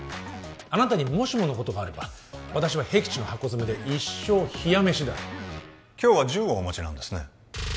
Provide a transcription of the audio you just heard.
あなたにもしものことがあれば私はへき地のハコヅメで一生冷や飯だ今日は銃をお持ちなんですね